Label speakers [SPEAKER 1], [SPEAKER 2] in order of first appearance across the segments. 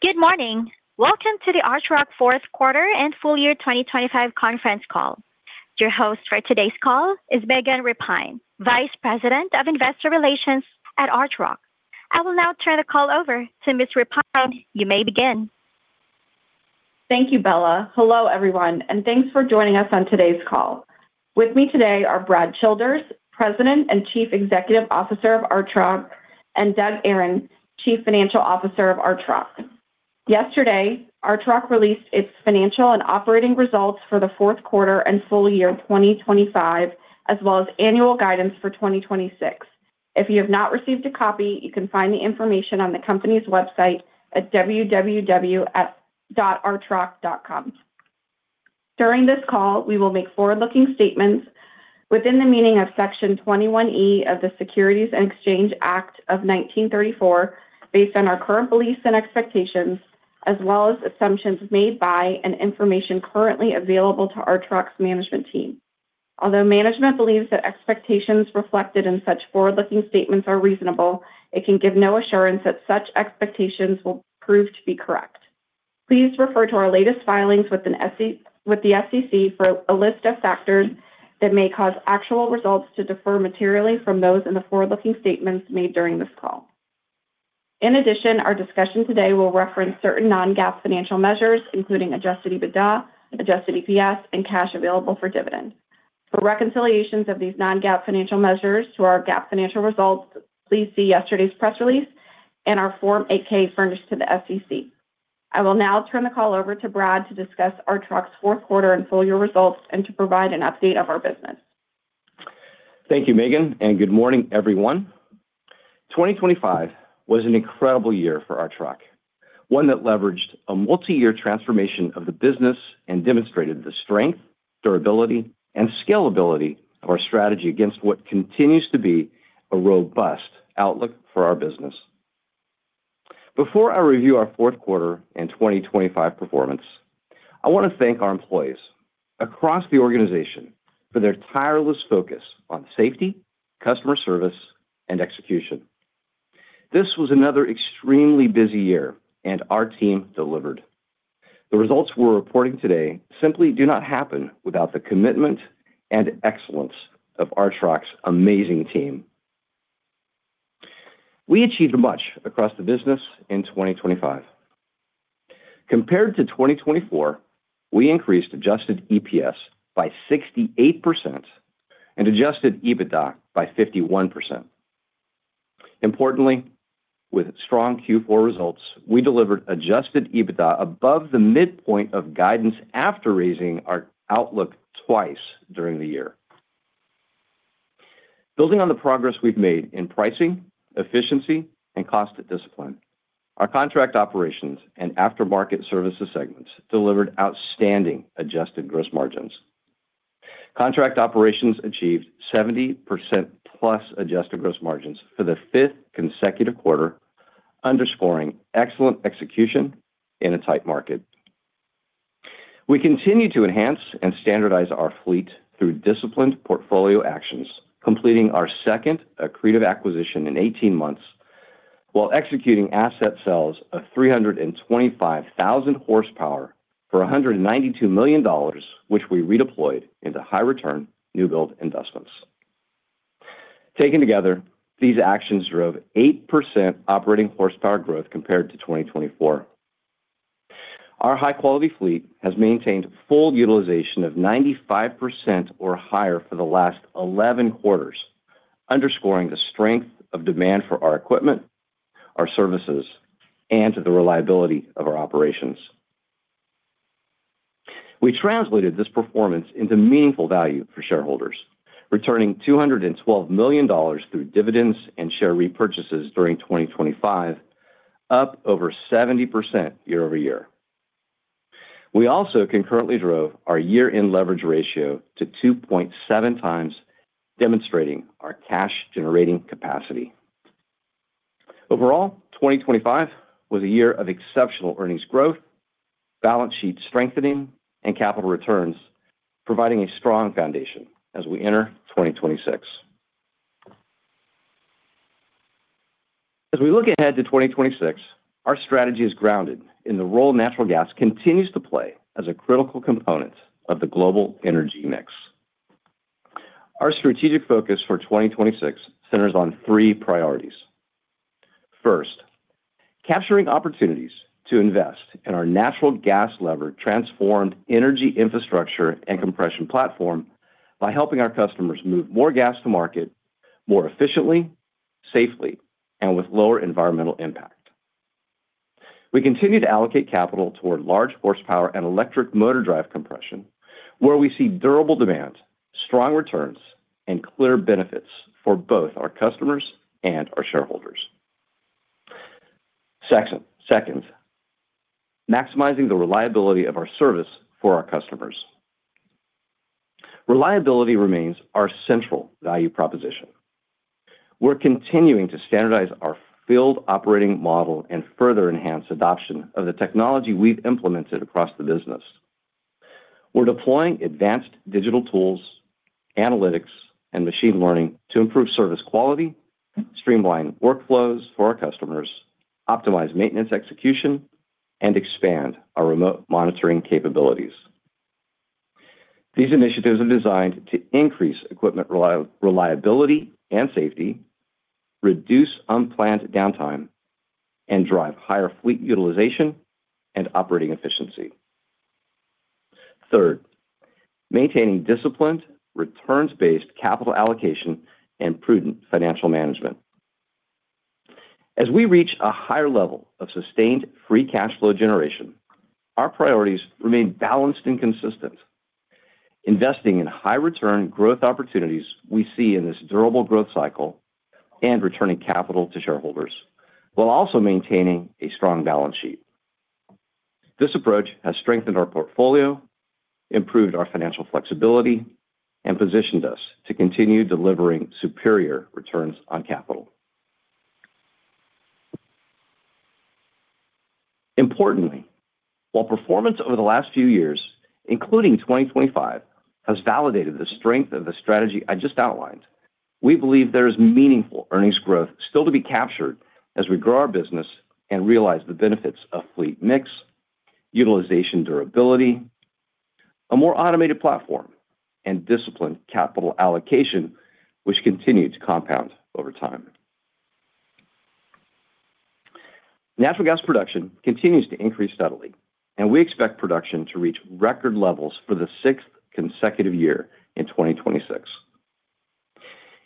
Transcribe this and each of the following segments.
[SPEAKER 1] Good morning. Welcome to the Archrock Fourth Quarter and Full Year 2025 Conference call. Your host for today's call is Megan Repine, Vice President of Investor Relations at Archrock. I will now turn the call over to Ms. Repine. You may begin.
[SPEAKER 2] Thank you, Bella. Hello, everyone, and thanks for joining us on today's call. With me today are Brad Childers, President and Chief Executive Officer of Archrock, and Doug Aron, Chief Financial Officer of Archrock. Yesterday, Archrock released its financial and operating results for the fourth quarter and full year 2025, as well as annual guidance for 2026. If you have not received a copy, you can find the information on the company's website at www.archrock.com. During this call, we will make forward-looking statements within the meaning of Section 21E of the Securities Exchange Act of 1934, based on our current beliefs and expectations, as well as assumptions made by and information currently available to Archrock's management team. Although management believes that expectations reflected in such forward-looking statements are reasonable, it can give no assurance that such expectations will prove to be correct. Please refer to our latest filings with the SEC for a list of factors that may cause actual results to differ materially from those in the forward-looking statements made during this call. Our discussion today will reference certain non-GAAP financial measures, including adjusted EBITDA, adjusted EPS, and cash available for dividends. For reconciliations of these non-GAAP financial measures to our GAAP financial results, please see yesterday's press release and our Form 8-K furnished to the SEC. I will now turn the call over to Brad to discuss Archrock's Fourth Quarter and Full-Year Results and to provide an update of our business.
[SPEAKER 3] Thank you, Megan. Good morning, everyone. 2025 was an incredible year for Archrock, one that leveraged a multi-year transformation of the business and demonstrated the strength, durability, and scalability of our strategy against what continues to be a robust outlook for our business. Before I review our fourth quarter and 2025 performance, I want to thank our employees across the organization for their tireless focus on safety, customer service, and execution. This was another extremely busy year. Our team delivered. The results we're reporting today simply do not happen without the commitment and excellence of Archrock's amazing team. We achieved much across the business in 2025. Compared to 2024, we increased adjusted EPS by 68% and adjusted EBITDA by 51%. Importantly, with strong Q4 results, we delivered adjusted EBITDA above the midpoint of guidance after raising our outlook twice during the year. Building on the progress we've made in pricing, efficiency, and cost discipline, our contract operations and aftermarket services segments delivered outstanding adjusted gross margins. Contract operations achieved 70%+ adjusted gross margins for the fifth consecutive quarter, underscoring excellent execution in a tight market. We continue to enhance and standardize our fleet through disciplined portfolio actions, completing our second accretive acquisition in 18 months, while executing asset sales of 325,000 horsepower for $192 million, which we redeployed into high-return, new-build investments. Taken together, these actions drove 8% operating horsepower growth compared to 2024. Our high-quality fleet has maintained full utilization of 95% or higher for the last 11 quarters, underscoring the strength of demand for our equipment, our services, and to the reliability of our operations. We translated this performance into meaningful value for shareholders, returning $212 million through dividends and share repurchases during 2025, up over 70% year-over-year. We also concurrently drove our year-end leverage ratio to 2.7x, demonstrating our cash-generating capacity. Overall, 2025 was a year of exceptional earnings growth, balance sheet strengthening, and capital returns, providing a strong foundation as we enter 2026. As we look ahead to 2026, our strategy is grounded in the role natural gas continues to play as a critical component of the global energy mix. Our strategic focus for 2026 centers on three priorities. First, capturing opportunities to invest in our natural gas-levered, transformed energy infrastructure and compression platform by helping our customers move more gas to market more efficiently, safely, and with lower environmental impact. We continue to allocate capital toward large horsepower and electric motor drive compression, where we see durable demand, strong returns, and clear benefits for both our customers and our shareholders. Second, maximizing the reliability of our service for our customers. Reliability remains our central value proposition. We're continuing to standardize our field operating model and further enhance adoption of the technology we've implemented across the business. We're deploying advanced digital tools, analytics, and machine learning to improve service quality, streamline workflows for our customers, optimize maintenance execution, and expand our remote monitoring capabilities. These initiatives are designed to increase equipment reliability and safety, reduce unplanned downtime, and drive higher fleet utilization and operating efficiency. Third, maintaining disciplined, returns-based capital allocation and prudent financial management. As we reach a higher level of sustained free cash flow generation, our priorities remain balanced and consistent, investing in high return growth opportunities we see in this durable growth cycle and returning capital to shareholders, while also maintaining a strong balance sheet. This approach has strengthened our portfolio, improved our financial flexibility, and positioned us to continue delivering superior returns on capital. Importantly, while performance over the last few years, including 2025, has validated the strength of the strategy I just outlined, we believe there is meaningful earnings growth still to be captured as we grow our business and realize the benefits of fleet mix, utilization durability, a more automated platform, and disciplined capital allocation, which continue to compound over time. Natural gas production continues to increase steadily, and we expect production to reach record levels for the sixth consecutive year in 2026.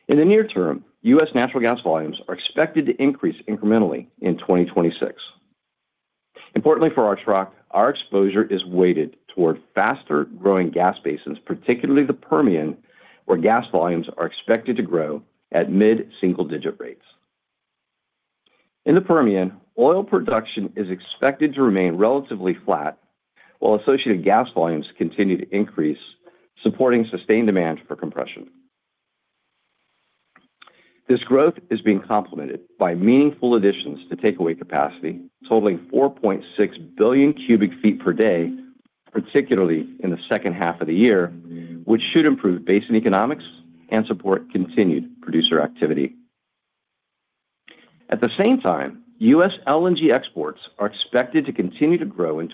[SPEAKER 3] In the near term, U.S. natural gas volumes are expected to increase incrementally in 2026. Importantly for Archrock, our exposure is weighted toward faster-growing gas basins, particularly the Permian, where gas volumes are expected to grow at mid-single-digit rates. In the Permian, oil production is expected to remain relatively flat, while associated gas volumes continue to increase, supporting sustained demand for compression. This growth is being complemented by meaningful additions to takeaway capacity, totaling 4.6 billion cubic feet per day, particularly in the second half of the year, which should improve basin economics and support continued producer activity. At the same time, U.S. LNG exports are expected to continue to grow in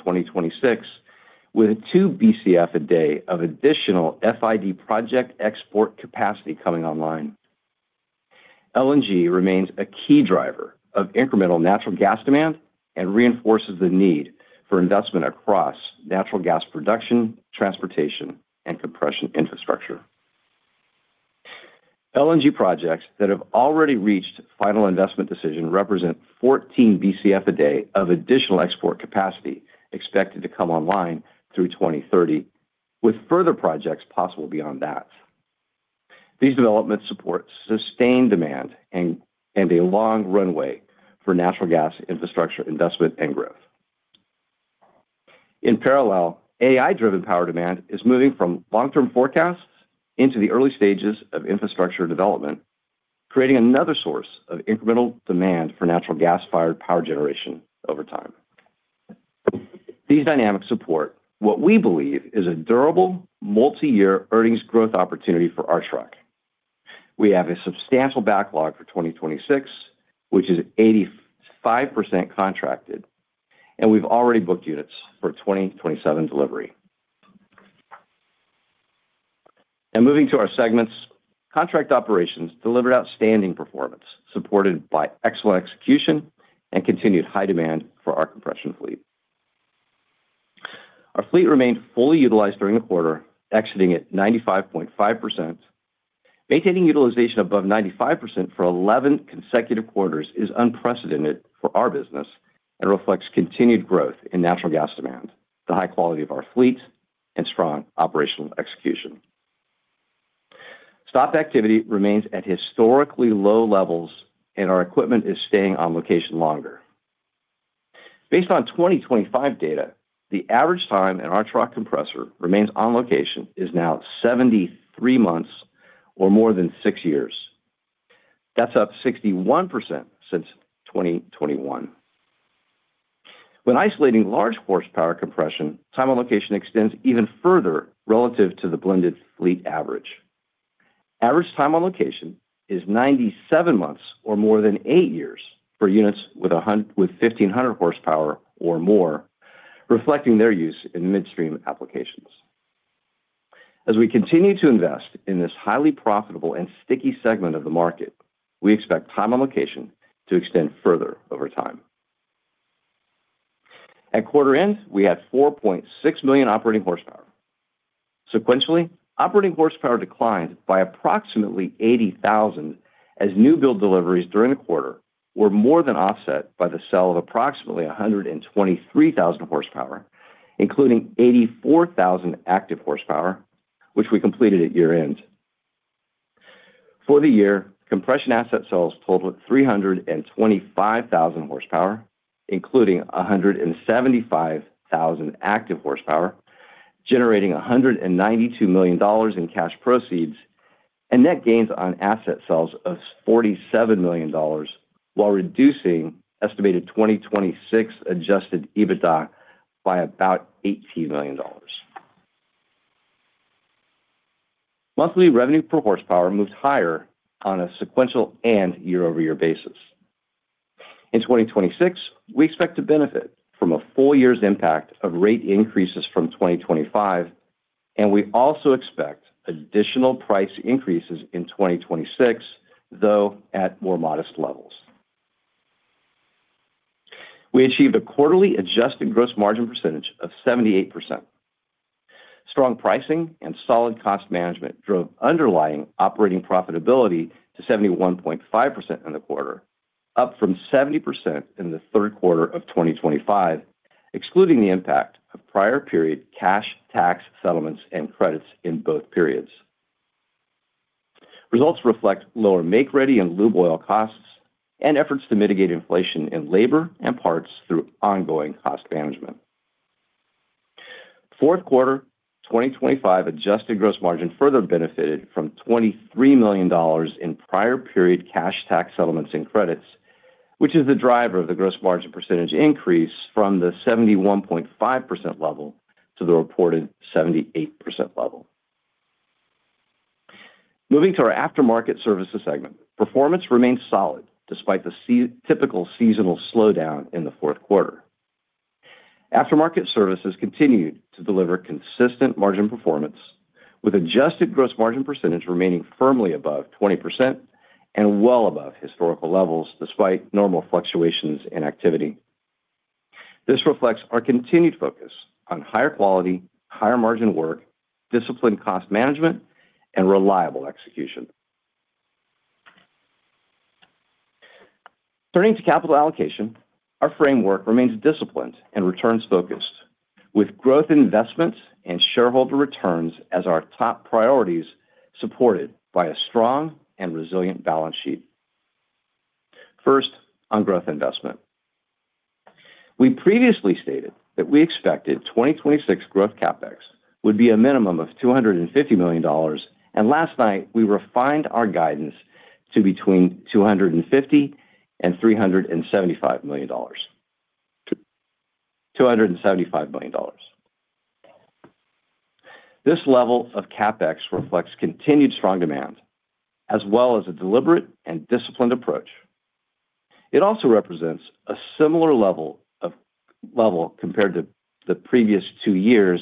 [SPEAKER 3] 2026, with a 2 BCF per day of additional FID project export capacity coming online. LNG remains a key driver of incremental natural gas demand and reinforces the need for investment across natural gas production, transportation, and compression infrastructure. LNG projects that have already reached final investment decision represent 14 BCF a day of additional export capacity, expected to come online through 2030, with further projects possible beyond that. These developments support sustained demand and a long runway for natural gas infrastructure investment and growth. In parallel, AI-driven power demand is moving from long-term forecasts into the early stages of infrastructure development, creating another source of incremental demand for natural gas-fired power generation over time. These dynamics support what we believe is a durable, multi-year earnings growth opportunity for Archrock. We have a substantial backlog for 2026, which is 85% contracted, and we've already booked units for 2027 delivery. Moving to our segments, contract operations delivered outstanding performance, supported by excellent execution and continued high demand for our compression fleet. Our fleet remained fully utilized during the quarter, exiting at 95.5%. Maintaining utilization above 95% for 11 consecutive quarters is unprecedented for our business and reflects continued growth in natural gas demand, the high quality of our fleet, and strong operational execution. Stop activity remains at historically low levels, and our equipment is staying on location longer. Based on 2025 data, the average time an Archrock compressor remains on location is now 73 months or more than six years. That's up 61% since 2021. When isolating large horsepower compression, time on location extends even further relative to the blended fleet average. Average time on location is 97 months or more than eight years for units with 1,500 horsepower or more, reflecting their use in midstream applications. As we continue to invest in this highly profitable and sticky segment of the market, we expect time on location to extend further over time. At quarter end, we had 4.6 million operating horsepower. Sequentially, operating horsepower declined by approximately 80,000, as new build deliveries during the quarter were more than offset by the sale of approximately 123,000 horsepower, including 84,000 active horsepower, which we completed at year-end. For the year, compression asset sales totaled 325,000 horsepower, including 175,000 active horsepower, generating $192 million in cash proceeds. Net gains on asset sales of $47 million while reducing estimated 2026 adjusted EBITDA by about $18 million. Monthly revenue per horsepower moved higher on a sequential and year-over-year basis. In 2026, we expect to benefit from a full year's impact of rate increases from 2025, and we also expect additional price increases in 2026, though at more modest levels. We achieved a quarterly adjusted gross margin percentage of 78%. Strong pricing and solid cost management drove underlying operating profitability to 71.5% in the quarter, up from 70% in the third quarter of 2025, excluding the impact of prior period cash, tax, settlements, and credits in both periods. Results reflect lower make-ready and lube oil costs and efforts to mitigate inflation in labor and parts through ongoing cost management. Fourth quarter 2025 adjusted gross margin further benefited from $23 million in prior period cash tax settlements and credits, which is the driver of the gross margin % increase from the 71.5% level to the reported 78% level. Moving to our aftermarket services segment. Performance remains solid despite the typical seasonal slowdown in the fourth quarter. Aftermarket services continued to deliver consistent margin performance, with adjusted gross margin % remaining firmly above 20% and well above historical levels, despite normal fluctuations in activity. This reflects our continued focus on higher quality, higher margin work, disciplined cost management, and reliable execution. Turning to capital allocation, our framework remains disciplined and returns-focused, with growth investments and shareholder returns as our top priorities, supported by a strong and resilient balance sheet. First, on growth investment. We previously stated that we expected 2026 growth CapEx would be a minimum of $250 million. Last night we refined our guidance to between $250 million and $375 million - $275 million. This level of CapEx reflects continued strong demand, as well as a deliberate and disciplined approach. It also represents a similar level compared to the previous two years,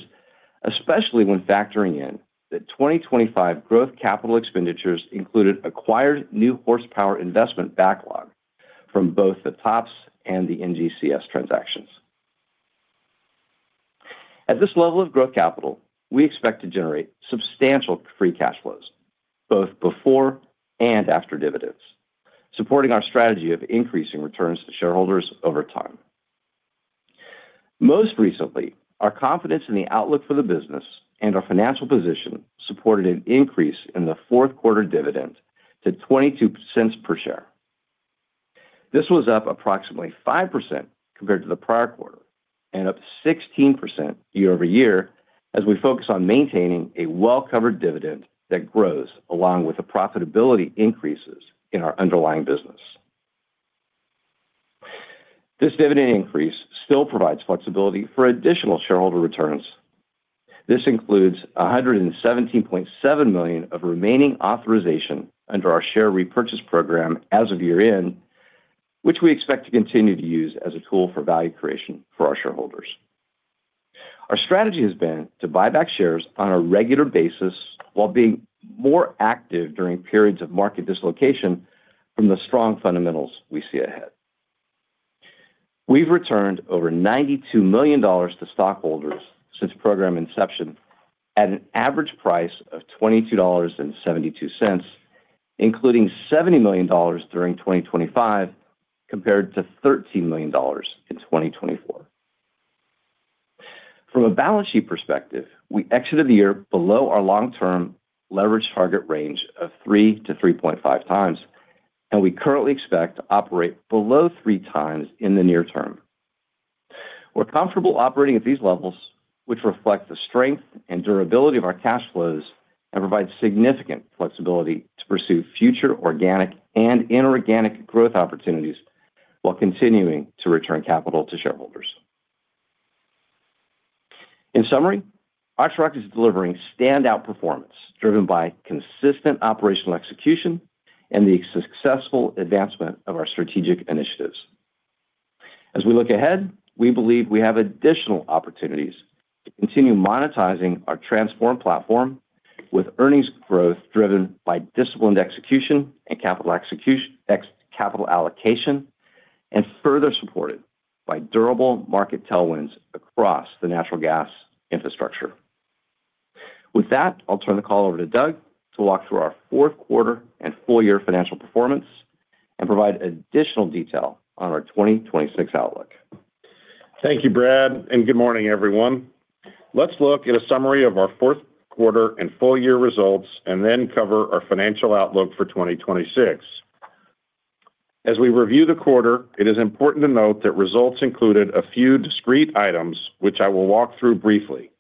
[SPEAKER 3] especially when factoring in that 2025 growth capital expenditures included acquired new horsepower investment backlog from both the TOPS and the NGCS transactions. At this level of growth capital, we expect to generate substantial free cash flows, both before and after dividends, supporting our strategy of increasing returns to shareholders over time. Most recently, our confidence in the outlook for the business and our financial position supported an increase in the fourth quarter dividend to $0.22 per share. This was up approximately 5% compared to the prior quarter and up 16% year-over-year, as we focus on maintaining a well-covered dividend that grows along with the profitability increases in our underlying business. This dividend increase still provides flexibility for additional shareholder returns. This includes $117.7 million of remaining authorization under our share repurchase program as of year-end, which we expect to continue to use as a tool for value creation for our shareholders. Our strategy has been to buy back shares on a regular basis while being more active during periods of market dislocation from the strong fundamentals we see ahead. We've returned over $92 million to stockholders since program inception at an average price of $22.72, including $70 million during 2025, compared to $13 million in 2024. From a balance sheet perspective, we exited the year below our long-term leverage target range of 3x-3.5x, and we currently expect to operate below 3x in the near term. We're comfortable operating at these levels, which reflect the strength and durability of our cash flows and provide significant flexibility to pursue future organic and inorganic growth opportunities while continuing to return capital to shareholders. In summary, Archrock is delivering standout performance, driven by consistent operational execution and the successful advancement of our strategic initiatives. As we look ahead, we believe we have additional opportunities to continue monetizing our transformed platform with earnings growth driven by disciplined execution and capital allocation, further supported by durable market tailwinds across the natural gas infrastructure. With that, I'll turn the call over to Doug to walk through our fourth quarter and full year financial performance and provide additional detail on our 2026 outlook.
[SPEAKER 4] Thank you, Brad. Good morning, everyone. Let's look at a summary of our fourth quarter and full year results, then cover our financial outlook for 2026. As we review the quarter, it is important to note that results included a few discrete items, which I will walk through briefly.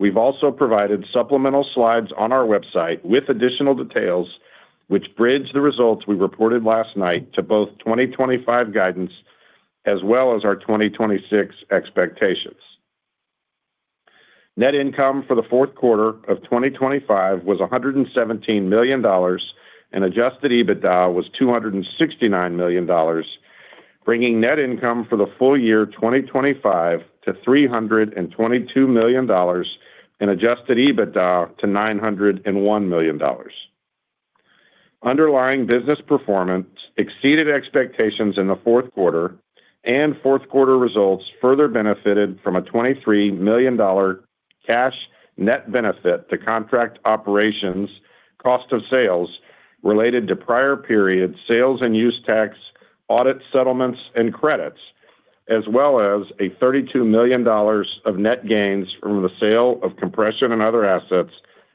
[SPEAKER 4] We've also provided supplemental slides on our website with additional details which bridge the results we reported last night to both 2025 guidance as well as our 2026 expectations. Net income for the fourth quarter of 2025 was $117 million, adjusted EBITDA was $269 million, bringing net income for the full year 2025 to $322 million and adjusted EBITDA to $901 million. Underlying business performance exceeded expectations in the fourth quarter. Fourth quarter results further benefited from a $23 million cash net benefit to contract operations cost of sales related to prior period sales and use tax, audit settlements and credits, as well as a $32 million of net gains from the sale of compression and other assets,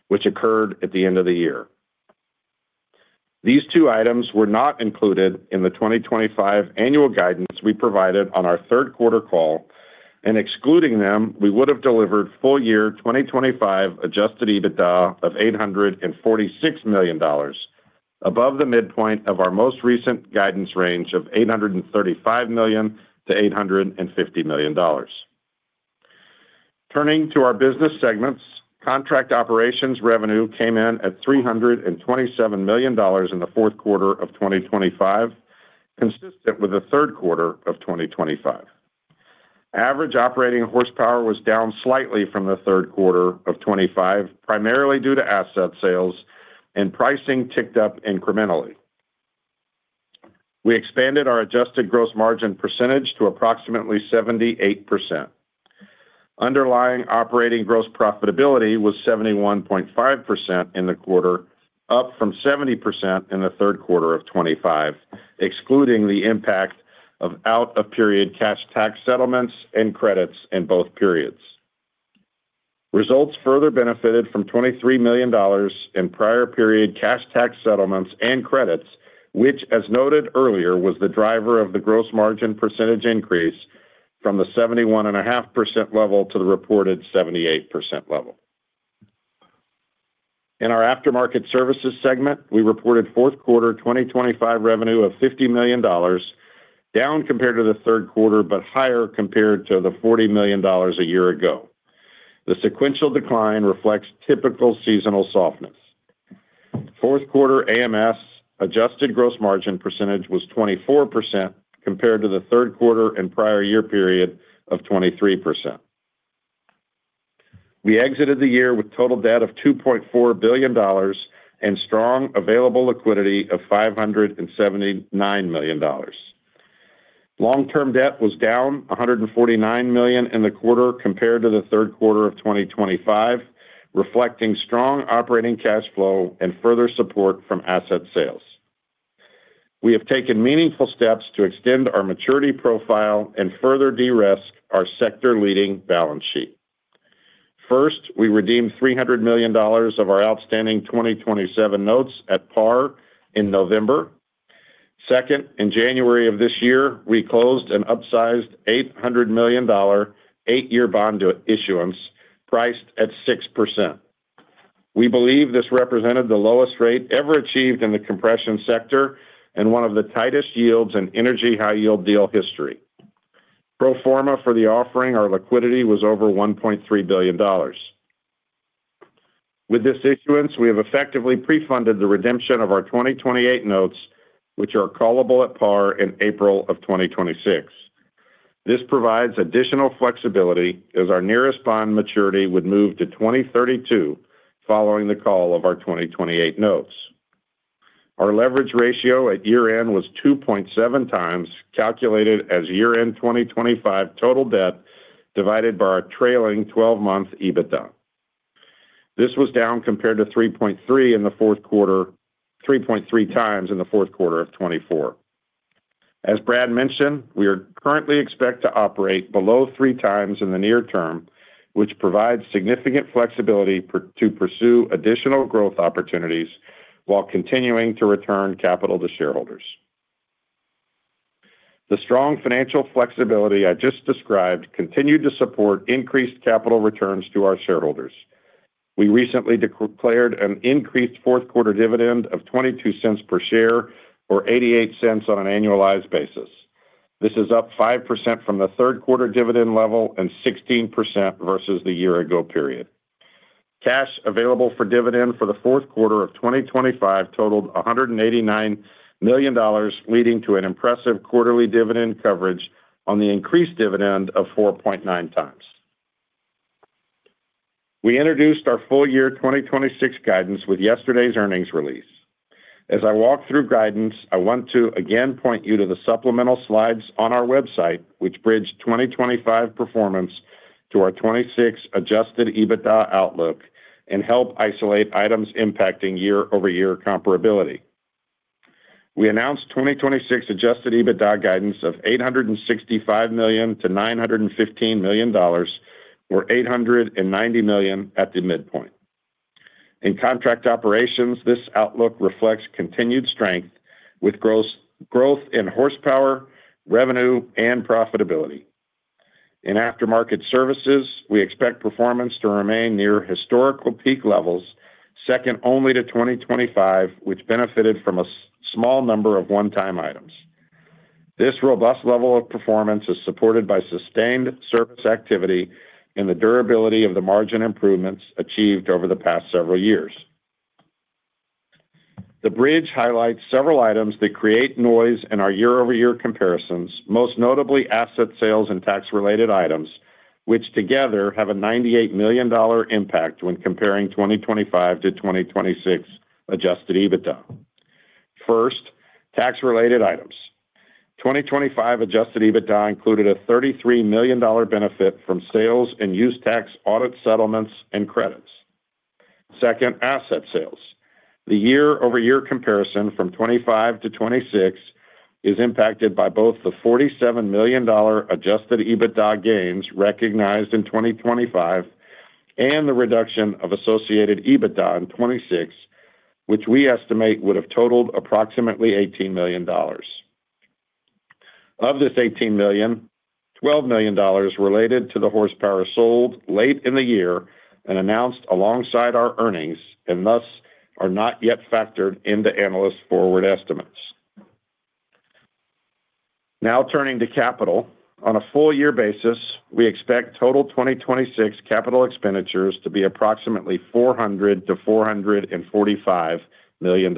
[SPEAKER 4] which occurred at the end of the year. These two items were not included in the 2025 annual guidance we provided on our third quarter call. Excluding them, we would have delivered full year 2025 adjusted EBITDA of $846 million, above the midpoint of our most recent guidance range of $835 million-$850 million. Turning to our business segments, contract operations revenue came in at $327 million in the fourth quarter of 2025, consistent with the third quarter of 2025. Average operating horsepower was down slightly from the third quarter of 2025, primarily due to asset sales, and pricing ticked up incrementally. We expanded our adjusted gross margin percentage to approximately 78%. Underlying operating gross profitability was 71.5% in the quarter, up from 70% in the third quarter of 2025, excluding the impact of out-of-period cash tax settlements and credits in both periods. Results further benefited from $23 million in prior period cash tax settlements and credits, which, as noted earlier, was the driver of the gross margin percentage increase from the 71.5% level to the reported 78% level. In our aftermarket services segment, we reported fourth quarter 2025 revenue of $50 million, down compared to the third quarter, but higher compared to the $40 million a year ago. The sequential decline reflects typical seasonal softness. Fourth quarter AMS adjusted gross margin percentage was 24% compared to the third quarter and prior year period of 23%. We exited the year with total debt of $2.4 billion and strong available liquidity of $579 million. Long-term debt was down $149 million in the quarter compared to the third quarter of 2025, reflecting strong operating cash flow and further support from asset sales. We have taken meaningful steps to extend our maturity profile and further de-risk our sector-leading balance sheet. First, we redeemed $300 million of our outstanding 2027 notes at par in November. Second, in January of this year, we closed an upsized $800 million eight year bond issuance priced at 6%. We believe this represented the lowest rate ever achieved in the compression sector and one of the tightest yields in energy high-yield deal history. Pro forma for the offering, our liquidity was over $1.3 billion. With this issuance, we have effectively pre-funded the redemption of our 2028 notes, which are callable at par in April of 2026. This provides additional flexibility as our nearest bond maturity would move to 2032 following the call of our 2028 notes. Our leverage ratio at year-end was 2.7x calculated as year-end 2025 total debt divided by our trailing twelve-month EBITDA. This was down compared to 3.3x in the fourth quarter of 2024. As Brad mentioned, we are currently expect to operate below 3x in the near term, which provides significant flexibility to pursue additional growth opportunities while continuing to return capital to shareholders. The strong financial flexibility I just described continued to support increased capital returns to our shareholders. We recently declared an increased fourth quarter dividend of $0.22 per share, or $0.88 on an annualized basis. This is up 5% from the third quarter dividend level and 16% versus the year-ago period. Cash available for dividend for the fourth quarter of 2025 totaled $189 million, leading to an impressive quarterly dividend coverage on the increased dividend of 4.9x. We introduced our full year 2026 guidance with yesterday's earnings release. As I walk through guidance, I want to again point you to the supplemental slides on our website, which bridge 2025 performance to our 2026 adjusted EBITDA outlook and help isolate items impacting year-over-year comparability. We announced 2026 adjusted EBITDA guidance of $865 million-$915 million, or $890 million at the midpoint. In contract operations, this outlook reflects continued strength with gross growth in horsepower, revenue, and profitability. In aftermarket services, we expect performance to remain near historical peak levels, second only to 2025, which benefited from a small number of one-time items. This robust level of performance is supported by sustained service activity and the durability of the margin improvements achieved over the past several years. The bridge highlights several items that create noise in our year-over-year comparisons, most notably asset sales and tax-related items, which together have a $98 million impact when comparing 2025 to 2026 adjusted EBITDA. Tax-related items. 2025 adjusted EBITDA included a $33 million benefit from sales and use tax audit settlements and credits. Asset sales. The year-over-year comparison from 2025 to 2026 is impacted by both the $47 million adjusted EBITDA gains recognized in 2025, and the reduction of associated EBITDA in 2026, which we estimate would have totaled approximately $18 million. Of this $18 million, $12 million related to the horsepower sold late in the year and announced alongside our earnings, and thus are not yet factored into analyst forward estimates. Turning to capital. On a full year basis, we expect total 2026 capital expenditures to be approximately $400 million-$445 million.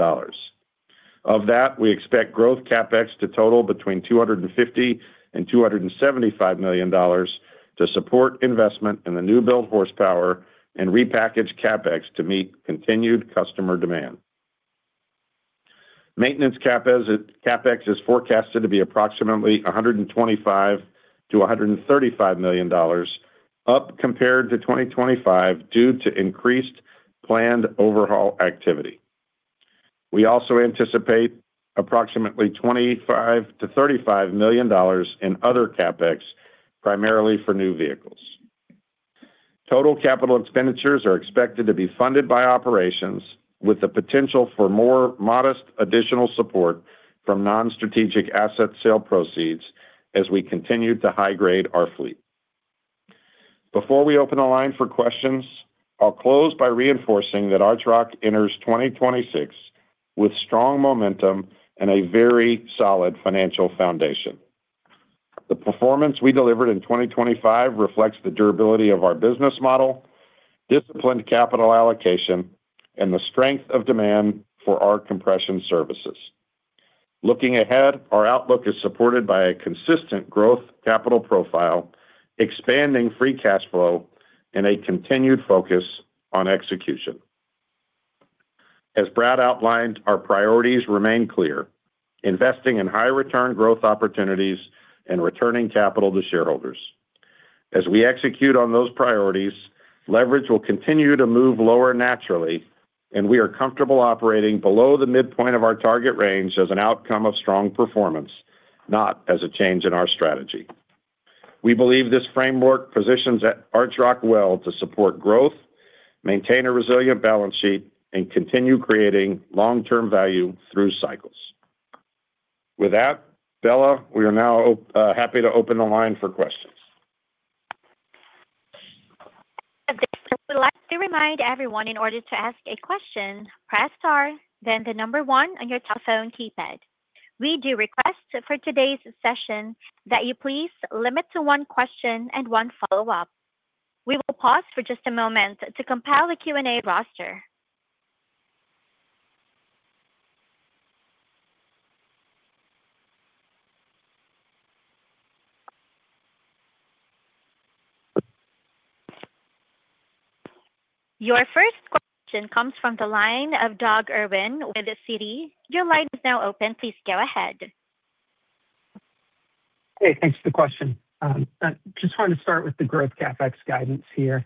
[SPEAKER 4] Of that, we expect growth CapEx to total between $250 million and $275 million to support investment in the new build horsepower and repackage CapEx to meet continued customer demand. Maintenance CapEx is forecasted to be approximately $125 million-$135 million, up compared to 2025 due to increased planned overhaul activity. We also anticipate approximately $25 million-$35 million in other CapEx, primarily for new vehicles. Total capital expenditures are expected to be funded by operations, with the potential for more modest additional support from non-strategic asset sale proceeds as we continue to high grade our fleet. Before we open the line for questions, I'll close by reinforcing that Archrock enters 2026 with strong momentum and a very solid financial foundation. The performance we delivered in 2025 reflects the durability of our business model, disciplined capital allocation, and the strength of demand for our compression services. Looking ahead, our outlook is supported by a consistent growth capital profile, expanding free cash flow, and a continued focus on execution. As Brad outlined, our priorities remain clear: investing in high return growth opportunities and returning capital to shareholders. As we execute on those priorities, leverage will continue to move lower naturally, and we are comfortable operating below the midpoint of our target range as an outcome of strong performance, not as a change in our strategy. We believe this framework positions Archrock well to support growth, maintain a resilient balance sheet, and continue creating long-term value through cycles. Bella, we are now happy to open the line for questions.
[SPEAKER 1] I would like to remind everyone, in order to ask a question, press star, then the number one on your telephone keypad. We do request for today's session that you please limit to one question and one follow-up. We will pause for just a moment to compile a Q&A roster. Your first question comes from the line of Doug Irwin with Citi. Your line is now open. Please go ahead.
[SPEAKER 5] Hey, thanks for the question. Just wanted to start with the growth CapEx guidance here.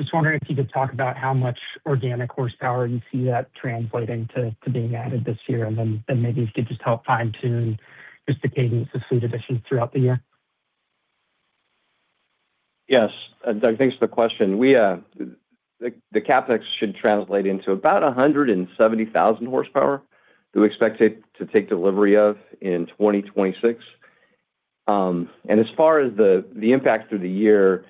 [SPEAKER 5] Just wondering if you could talk about how much organic horsepower you see that translating to being added this year, and then maybe you could just help fine-tune just the cadence of fleet additions throughout the year?
[SPEAKER 4] Yes, Doug, thanks for the question. We, the CapEx should translate into about 170,000 horsepower. We expect it to take delivery of in 2026. As far as the impact through the year,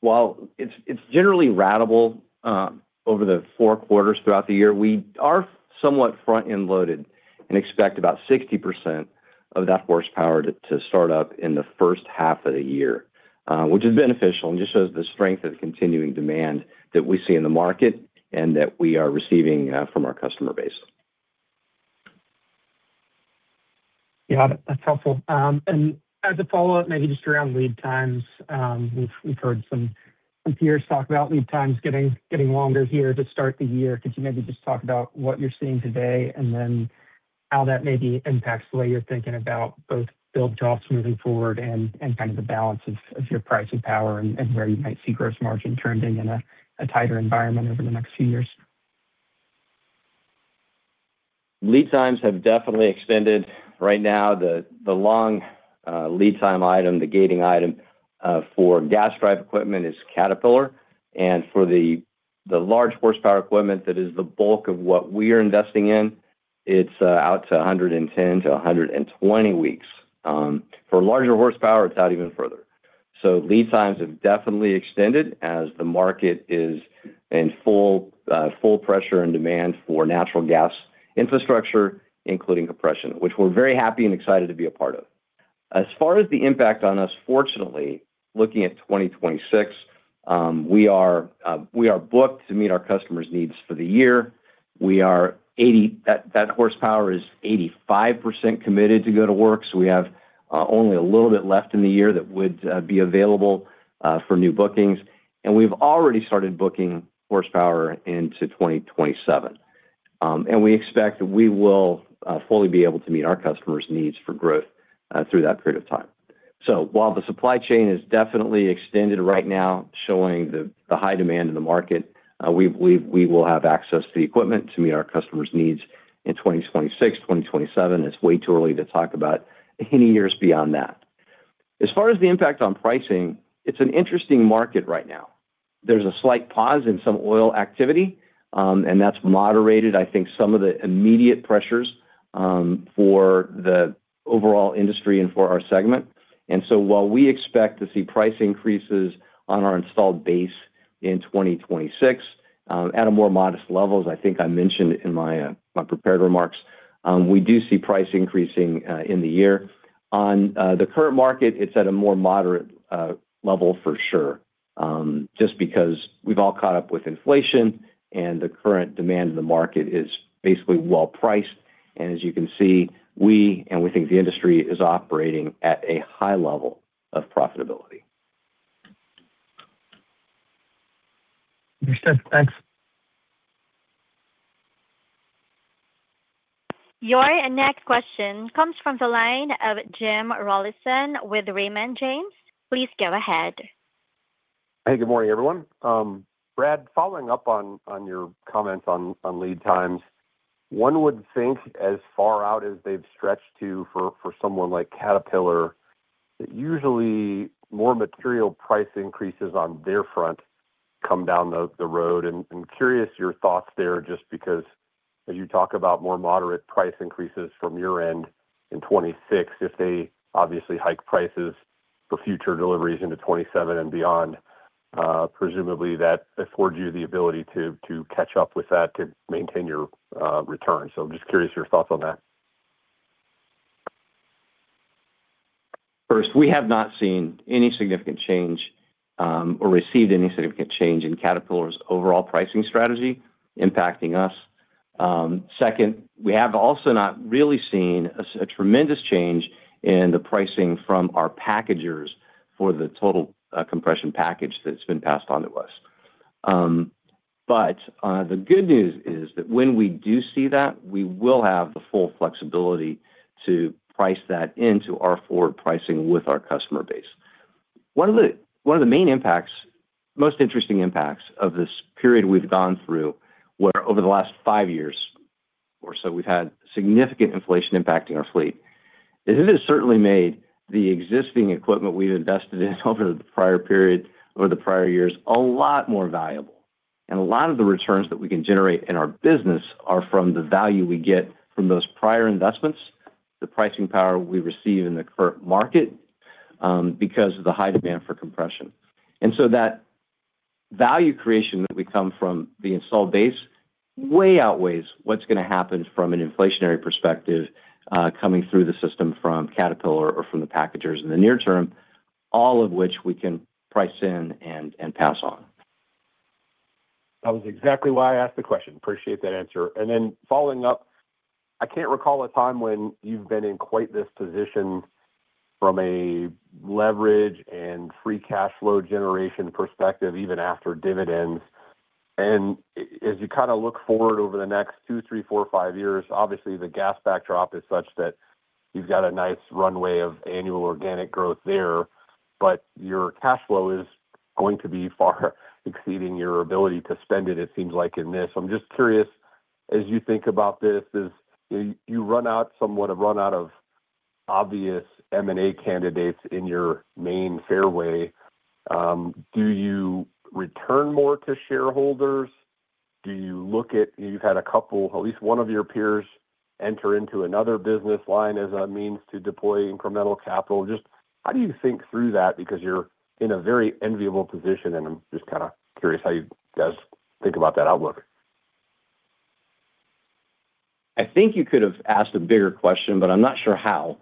[SPEAKER 4] while it's generally ratable over the four quarters throughout the year, we are somewhat front-end loaded and expect about 60% of that horsepower to start up in the first half of the year, which is beneficial and just shows the strength of continuing demand that we see in the market and that we are receiving from our customer base.
[SPEAKER 5] That's helpful. As a follow-up, maybe just around lead times. We've heard some peers talk about lead times getting longer here to start the year. Could you maybe just talk about what you're seeing today, and then how that maybe impacts the way you're thinking about both build jobs moving forward and kind of the balance of your pricing power and where you might see gross margin trending in a tighter environment over the next few years?
[SPEAKER 3] Lead times have definitely extended. Right now, the long lead time item, the gating item, for gas drive equipment is Caterpillar, and for the large horsepower equipment, that is the bulk of what we are investing in, it's out to 110-120 weeks. For larger horsepower, it's out even further. Lead times have definitely extended as the market is in full pressure and demand for natural gas infrastructure, including compression, which we're very happy and excited to be a part of. As far as the impact on us, fortunately, looking at 2026, we are booked to meet our customers' needs for the year. We are that horsepower is 85% committed to go to work. We have only a little bit left in the year that would be available for new bookings, and we've already started booking horsepower into 2027. We expect that we will fully be able to meet our customers' needs for growth through that period of time. While the supply chain is definitely extended right now, showing the high demand in the market, we will have access to the equipment to meet our customers' needs in 2026, 2027. It's way too early to talk about any years beyond that. As far as the impact on pricing, it's an interesting market right now. There's a slight pause in some oil activity, and that's moderated, I think, some of the immediate pressures, for the overall industry and for our segment. While we expect to see price increases on our installed base in 2026, at a more modest level, as I think I mentioned in my prepared remarks, we do see price increasing in the year. On, the current market, it's at a more moderate level, for sure, just because we've all caught up with inflation, and the current demand in the market is basically well-priced. As you can see, we, and we think the industry, is operating at a high level of profitability. Understood. Thanks.
[SPEAKER 1] Your next question comes from the line of Jim Rollyson with Raymond James. Please go ahead.
[SPEAKER 6] Hey, good morning, everyone. Brad, following up on your comments on lead times, one would think as far out as they've stretched to, for someone like Caterpillar, that usually more material price increases on their front come down the road. I'm curious your thoughts there, just because as you talk about more moderate price increases from your end in 2026, if they obviously hike prices for future deliveries into 2027 and beyond, presumably that affords you the ability to catch up with that to maintain your return. Just curious your thoughts on that.
[SPEAKER 3] We have not seen any significant change or received any significant change in Caterpillar's overall pricing strategy impacting us. We have also not really seen a tremendous change in the pricing from our packagers for the total compression package that's been passed on to us. The good news is that when we do see that, we will have the full flexibility to price that into our forward pricing with our customer base. One of the main impacts, most interesting impacts of this period we've gone through, where over the last five years or so, we've had significant inflation impacting our fleet, is it has certainly made the existing equipment we've invested in over the prior period, over the prior years, a lot more valuable. A lot of the returns that we can generate in our business are from the value we get from those prior investments, the pricing power we receive in the current market, because of the high demand for compression. That value creation that we come from the installed base way outweighs what's gonna happen from an inflationary perspective, coming through the system from Caterpillar or from the packagers in the near term, all of which we can price in and pass on.
[SPEAKER 6] Following up, I can't recall a time when you've been in quite this position from a leverage and free cash flow generation perspective, even after dividends. As you kind of look forward over the next two, three, four, five years, obviously, the gas backdrop is such that you've got a nice runway of annual organic growth there, but your cash flow is going to be far exceeding your ability to spend it seems like in this. I'm just curious, as you think about this, as you somewhat have run out of obvious M&A candidates in your main fairway, do you return more to shareholders? Do you look at... You've had a couple, at least one of your peers, enter into another business line as a means to deploy incremental capital. Just how do you think through that? You're in a very enviable position, and I'm just kind of curious how you guys think about that outlook.
[SPEAKER 3] I think you could have asked a bigger question, but I'm not sure how.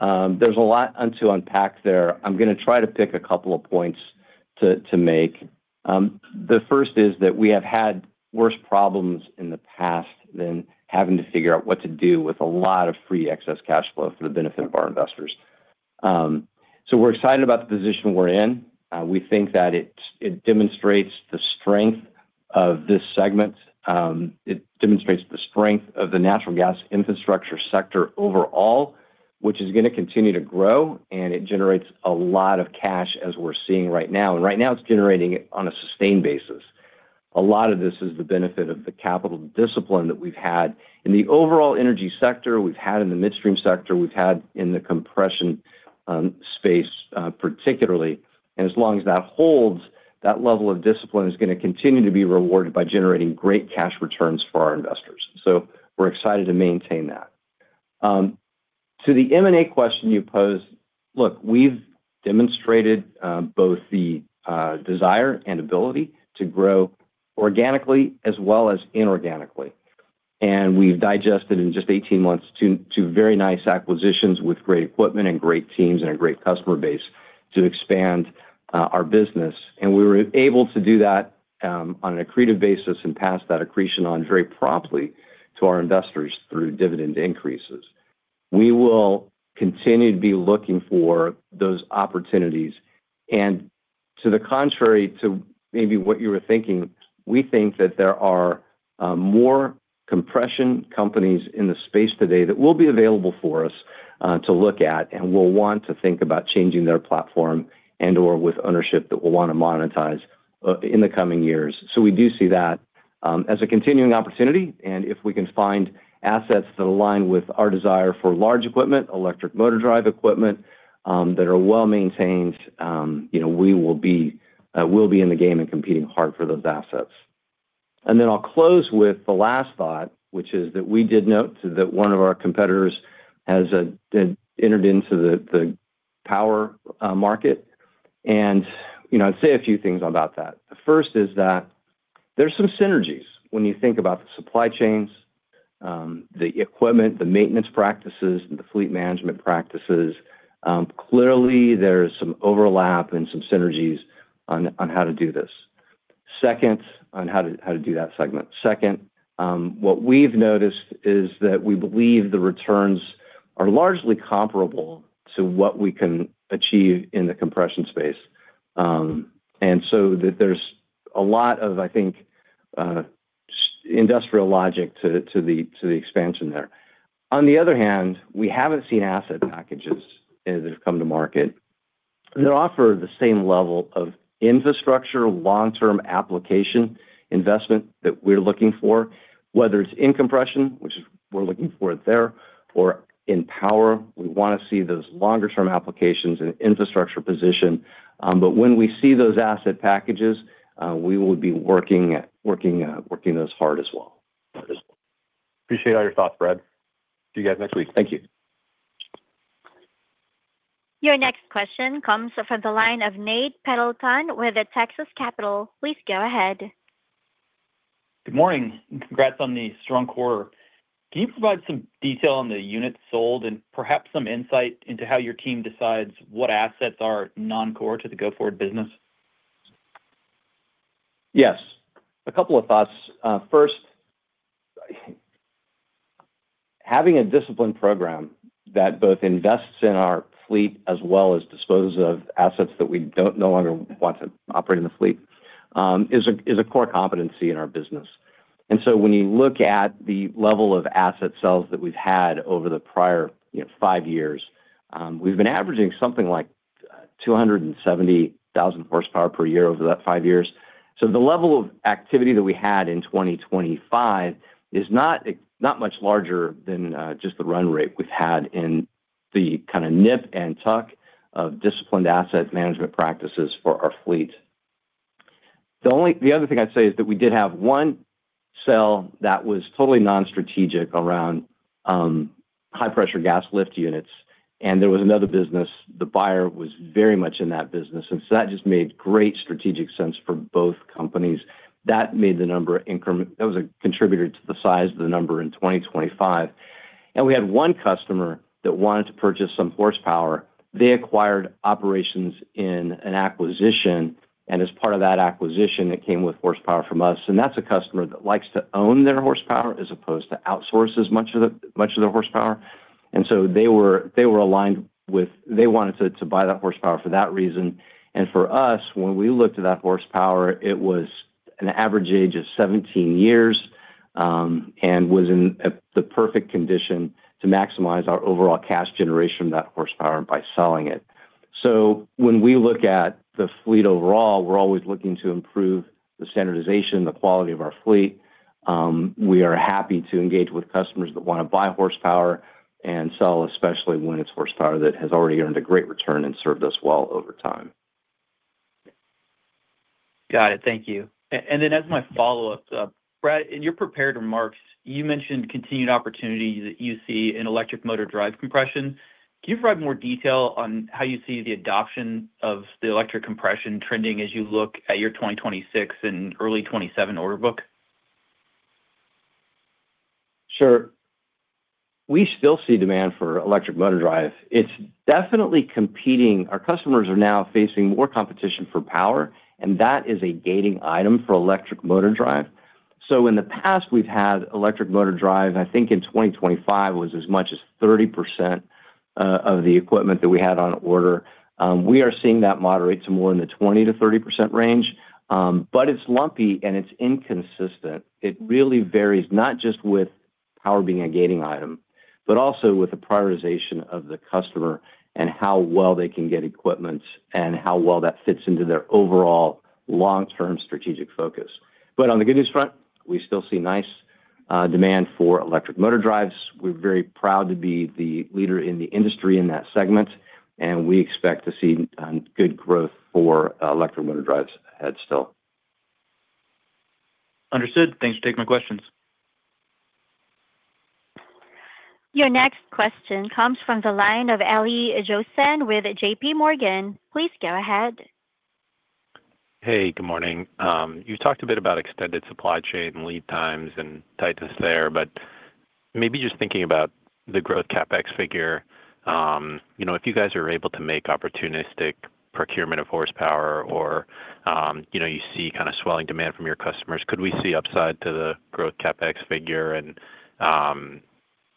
[SPEAKER 3] There's a lot to unpack there. I'm gonna try to pick a couple of points to make. The first is that we have had worse problems in the past than having to figure out what to do with a lot of free excess cash flow for the benefit of our investors. So we're excited about the position we're in. We think that it demonstrates the strength of this segment. It demonstrates the strength of the natural gas infrastructure sector overall, which is going to continue to grow, and it generates a lot of cash, as we're seeing right now. Right now, it's generating it on a sustained basis. A lot of this is the benefit of the capital discipline that we've had in the overall energy sector, we've had in the midstream sector, we've had in the compression space particularly. As long as that holds, that level of discipline is going to continue to be rewarded by generating great cash returns for our investors. We're excited to maintain that. To the M&A question you posed, look, we've demonstrated both the desire and ability to grow organically as well as inorganically. We've digested in just 18 months two very nice acquisitions with great equipment and great teams and a great customer base to expand our business. We were able to do that on an accretive basis and pass that accretion on very promptly to our investors through dividend increases. We will continue to be looking for those opportunities. To the contrary to maybe what you were thinking, we think that there are more compression companies in the space today that will be available for us to look at, and will want to think about changing their platform and/or with ownership that will want to monetize in the coming years. We do see that as a continuing opportunity, and if we can find assets that align with our desire for large equipment, electric motor drive equipment, that are well-maintained, you know, we will be, we'll be in the game and competing hard for those assets. I'll close with the last thought, which is that we did note that one of our competitors has entered into the power market. You know, I'd say a few things about that. The first is that there's some synergies when you think about the supply chains, the equipment, the maintenance practices, and the fleet management practices. Clearly, there's some overlap and some synergies on how to do this. Second, on how to do that segment. Second, what we've noticed is that we believe the returns are largely comparable to what we can achieve in the compression space. That there's a lot of, I think, industrial logic to the expansion there. On the other hand, we haven't seen asset packages as they've come to market, that offer the same level of infrastructure, long-term application investment that we're looking for, whether it's in compression, which is we're looking for it there or in power. We want to see those longer-term applications and infrastructure position, but when we see those asset packages, we will be working those hard as well.
[SPEAKER 6] Appreciate all your thoughts, Brad. See you guys next week.
[SPEAKER 3] Thank you.
[SPEAKER 1] Your next question comes from the line of Nate Pendleton with Texas Capital. Please go ahead.
[SPEAKER 7] Good morning. Congrats on the strong quarter. Can you provide some detail on the units sold and perhaps some insight into how your team decides what assets are non-core to the go-forward business?
[SPEAKER 3] Yes, a couple of thoughts. first, having a disciplined program that both invests in our fleet as well as disposes of assets that we don't no longer want to operate in the fleet, is a core competency in our business. When you look at the level of asset sales that we've had over the prior, you know, five years, we've been averaging something like, 270,000 horsepower per year over that five years. The level of activity that we had in 2025 is not much larger than, just the run rate we've had in the kind of nip and tuck of disciplined asset management practices for our fleet. The other thing I'd say is that we did have one sale that was totally non-strategic around high-pressure gas lift units. There was another business. The buyer was very much in that business. That just made great strategic sense for both companies. That made the number. That was a contributor to the size of the number in 2025. We had one customer that wanted to purchase some horsepower. They acquired operations in an acquisition. As part of that acquisition, it came with horsepower from us. That's a customer that likes to own their horsepower as opposed to outsource as much of their horsepower. They wanted to buy that horsepower for that reason. For us, when we looked at that horsepower, it was an average age of 17 years, and was in the perfect condition to maximize our overall cash generation of that horsepower by selling it. When we look at the fleet overall, we're always looking to improve the standardization, the quality of our fleet. We are happy to engage with customers that want to buy horsepower and sell, especially when it's horsepower that has already earned a great return and served us well over time.
[SPEAKER 7] Got it. Thank you. Then as my follow-up, Brad, in your prepared remarks, you mentioned continued opportunities that you see in electric motor drive compression. Can you provide more detail on how you see the adoption of the electric compression trending as you look at your 2026 and early 2027 order book?
[SPEAKER 3] Sure. We still see demand for electric motor drive. It's definitely competing. Our customers are now facing more competition for power, and that is a gating item for electric motor drive. In the past, we've had electric motor drive, I think in 2025 was as much as 30% of the equipment that we had on order. We are seeing that moderate to more in the 20%-30% range, but it's lumpy and it's inconsistent. It really varies not just with power being a gating item, but also with the prioritization of the customer and how well they can get equipment and how well that fits into their overall long-term strategic focus. On the good news front, we still see nice demand for electric motor drives. We're very proud to be the leader in the industry in that segment, we expect to see good growth for electric motor drives ahead still.
[SPEAKER 7] Understood. Thanks for taking my questions.
[SPEAKER 1] Your next question comes from the line of Jeremy Tonet with JPMorgan. Please go ahead.
[SPEAKER 8] Hey, good morning. You talked a bit about extended supply chain and lead times and tightness there, but maybe just thinking about the growth CapEx figure, you know, if you guys are able to make opportunistic procurement of horsepower or, you know, you see kinda swelling demand from your customers, could we see upside to the growth CapEx figure?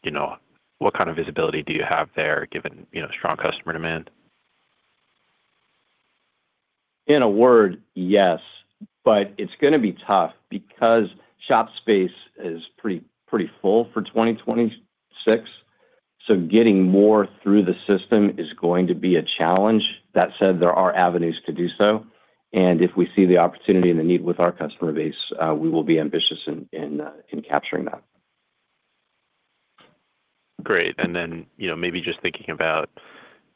[SPEAKER 8] You know, what kind of visibility do you have there, given, you know, strong customer demand?
[SPEAKER 3] In a word, yes, but it's gonna be tough because shop space is pretty full for 2026, so getting more through the system is going to be a challenge. That said, there are avenues to do so, and if we see the opportunity and the need with our customer base, we will be ambitious in capturing that.
[SPEAKER 8] Great. Then, you know, maybe just thinking about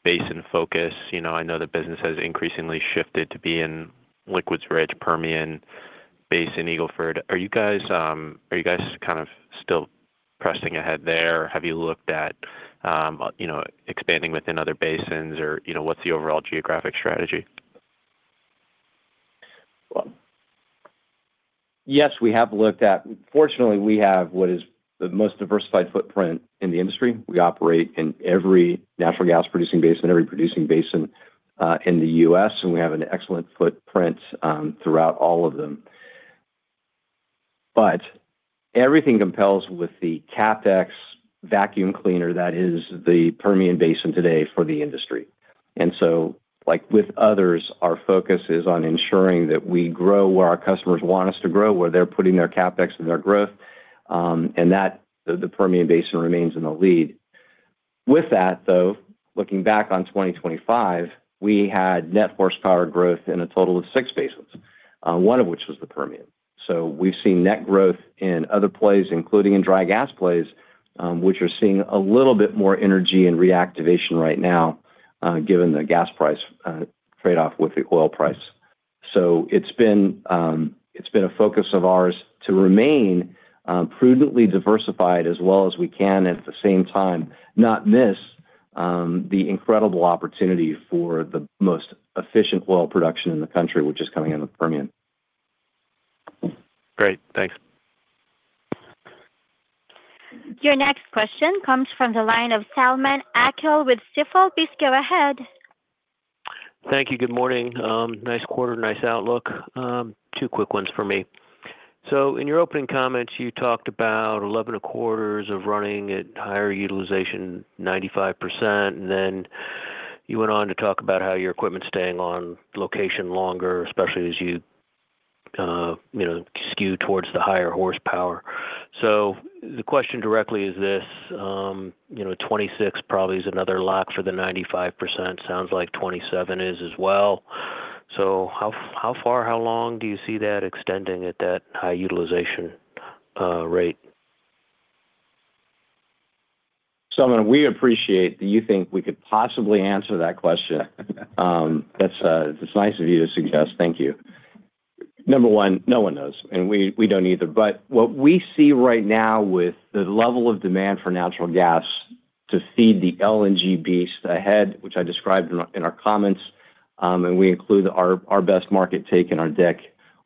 [SPEAKER 8] basin focus. You know, I know the business has increasingly shifted to be in liquids-rich Permian Basin, Eagle Ford. Are you guys kind of still pressing ahead there? Have you looked at, you know, expanding within other basins or, you know, what's the overall geographic strategy?
[SPEAKER 3] Well, yes, we have looked at. Fortunately, we have what is the most diversified footprint in the industry. We operate in every natural gas-producing basin, every producing basin in the U.S., and we have an excellent footprint throughout all of them. Everything compels with the CapEx vacuum cleaner that is the Permian Basin today for the industry. Like with others, our focus is on ensuring that we grow where our customers want us to grow, where they're putting their CapEx and their growth, and that the Permian Basin remains in the lead. With that, though, looking back on 2025, we had net horsepower growth in a total of six basins, one of which was the Permian. We've seen net growth in other plays, including in dry gas plays, which are seeing a little bit more energy and reactivation right now, given the gas price, trade-off with the oil price. It's been a focus of ours to remain prudently diversified as well as we can, at the same time, not miss the incredible opportunity for the most efficient oil production in the country, which is coming in the Permian.
[SPEAKER 8] Great. Thanks.
[SPEAKER 1] Your next question comes from the line of Selman Akyol with Stifel. Please go ahead.
[SPEAKER 9] Thank you. Good morning. Nice quarter, nice outlook. Two quick ones for me. In your opening comments, you talked about 11 quarters of running at higher utilization, 95%, and then you went on to talk about how your equipment's staying on location longer, especially as you know, skew towards the higher horsepower. The question directly is this, you know, 2026 probably is another lock for the 95%. Sounds like 2027 is as well. How, how far, how long do you see that extending at that high utilization rate?
[SPEAKER 3] Selman, we appreciate that you think we could possibly answer that question. That's, that's nice of you to suggest. Thank you. Number one, no one knows, and we don't either. What we see right now with the level of demand for natural gas to feed the LNG beast ahead, which I described in our comments, and we include our best market take in our deck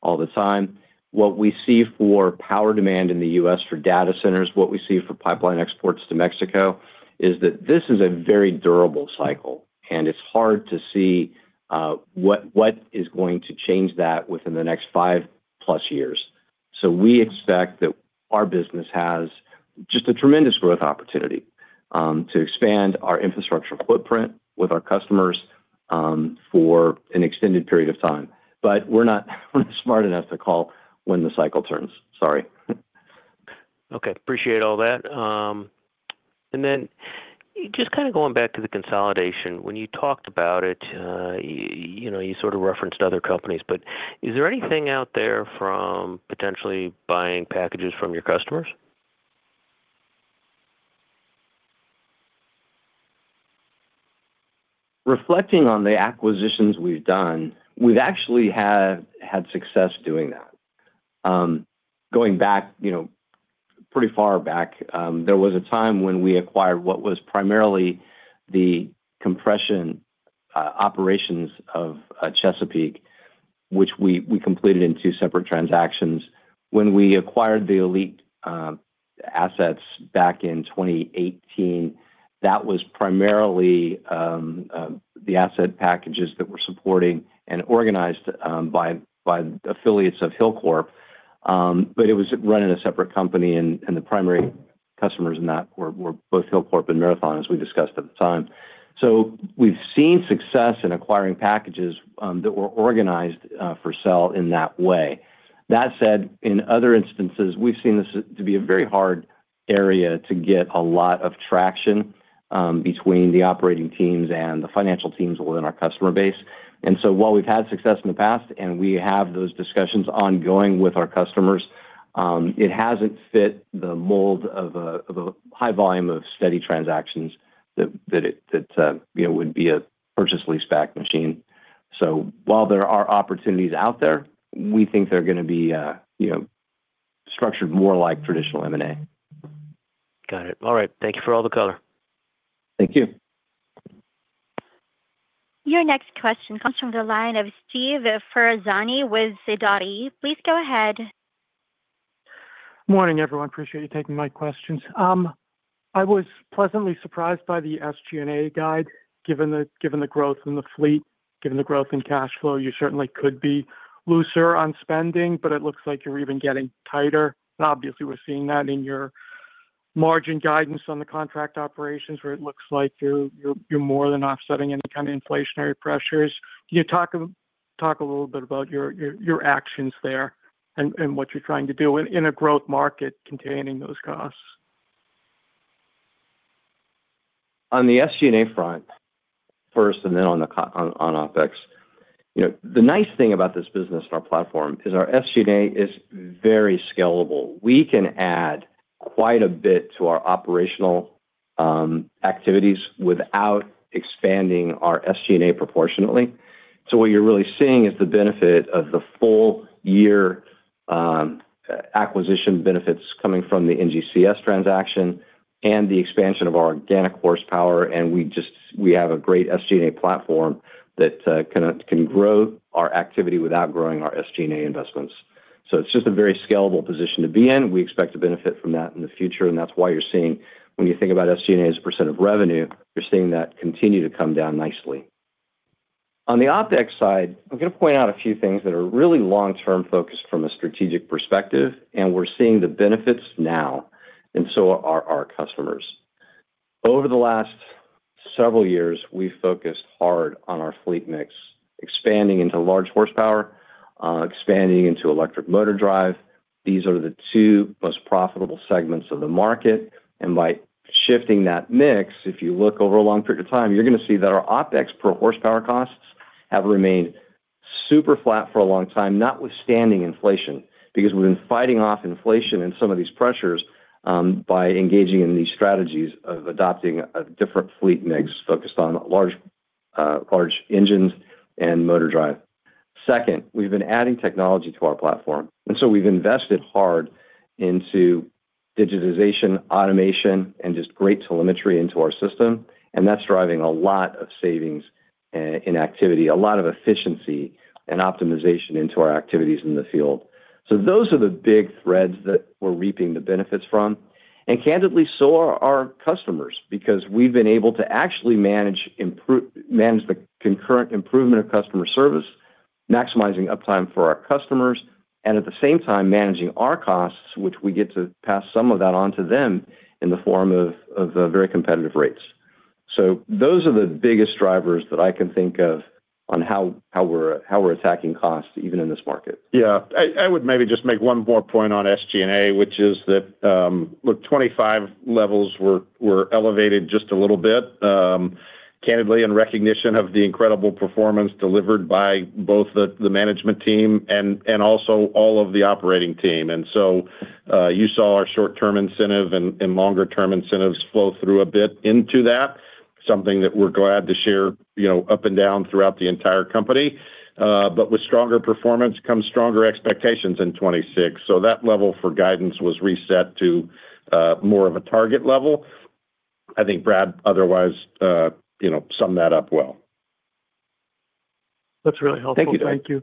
[SPEAKER 3] all the time. What we see for power demand in the U.S. for data centers, what we see for pipeline exports to Mexico, is that this is a very durable cycle, and it's hard to see what is going to change that within the next five plus years. We expect that our business has just a tremendous growth opportunity to expand our infrastructure footprint with our customers for an extended period of time. We're not smart enough to call when the cycle turns. Sorry.
[SPEAKER 9] Okay. Appreciate all that. Just kinda going back to the consolidation, when you talked about it, you know, you sort of referenced other companies, but is there anything out there from potentially buying packages from your customers?
[SPEAKER 3] Reflecting on the acquisitions we've done, we've actually had success doing that. Going back, you know, pretty far back, there was a time when we acquired what was primarily the compression operations of Chesapeake, which we completed in two separate transactions. When we acquired the Elite assets back in 2018, that was primarily the asset packages that were supporting and organized by affiliates of Hilcorp. It was run in a separate company, and the primary customers in that were both Hilcorp and Marathon, as we discussed at the time. We've seen success in acquiring packages that were organized for sale in that way. That said, in other instances, we've seen this to be a very hard area to get a lot of traction, between the operating teams and the financial teams within our customer base. While we've had success in the past, and we have those discussions ongoing with our customers, it hasn't fit the mold of a, of a high volume of steady transactions that it, that, you know, would be a purchase lease back machine. While there are opportunities out there, we think they're gonna be, you know, structured more like traditional M&A.
[SPEAKER 9] Got it. All right. Thank you for all the color.
[SPEAKER 3] Thank you.
[SPEAKER 1] Your next question comes from the line of Steve Ferazani with Sidoti. Please go ahead.
[SPEAKER 10] Morning, everyone. Appreciate you taking my questions. I was pleasantly surprised by the SG&A guide, given the growth in the fleet, given the growth in cash flow. You certainly could be looser on spending, but it looks like you're even getting tighter. Obviously, we're seeing that in your margin guidance on the contract operations, where it looks like you're more than offsetting any kind of inflationary pressures. Can you talk a little bit about your actions there and what you're trying to do in a growth market containing those costs?
[SPEAKER 3] On the SG&A front first, on OpEx. You know, the nice thing about this business and our platform is our SG&A is very scalable. We can add quite a bit to our operational activities without expanding our SG&A proportionately. What you're really seeing is the benefit of the full year acquisition benefits coming from the NGCS transaction and the expansion of our organic horsepower, we have a great SG&A platform that can grow our activity without growing our SG&A investments. It's just a very scalable position to be in. We expect to benefit from that in the future, that's why you're seeing, when you think about SG&A as a % of revenue, you're seeing that continue to come down nicely. On the OpEx side, I'm gonna point out a few things that are really long-term focused from a strategic perspective, and we're seeing the benefits now, and so are our customers. Over the last several years, we focused hard on our fleet mix, expanding into large horsepower, expanding into electric motor drive. These are the two most profitable segments of the market, and by shifting that mix, if you look over a long period of time, you're gonna see that our OpEx per horsepower costs have remained super flat for a long time, notwithstanding inflation, because we've been fighting off inflation and some of these pressures, by engaging in these strategies of adopting a different fleet mix focused on large engines and motor drive. Second, we've been adding technology to our platform, we've invested hard into digitization, automation, and just great telemetry into our system, and that's driving a lot of savings in activity, a lot of efficiency and optimization into our activities in the field. Those are the big threads that we're reaping the benefits from, and candidly, so are our customers, because we've been able to actually manage the concurrent improvement of customer service, maximizing uptime for our customers, and at the same time, managing our costs, which we get to pass some of that on to them in the form of, very competitive rates. Those are the biggest drivers that I can think of on how we're attacking costs, even in this market.
[SPEAKER 4] Yeah. I would maybe just make one more point on SG&A, which is that, look, 2025 levels were elevated just a little bit, candidly, in recognition of the incredible performance delivered by both the management team and also all of the operating team. You saw our short-term incentive and longer-term incentives flow through a bit into that, something that we're glad to share, you know, up and down throughout the entire company. With stronger performance comes stronger expectations in 2026. That level for guidance was reset to more of a target level. I think Brad otherwise, you know, summed that up well.
[SPEAKER 10] That's really helpful.
[SPEAKER 4] Thank you, Steve.